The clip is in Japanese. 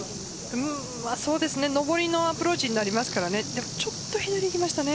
上りのアプローチになりますからちょっと左にいきましたね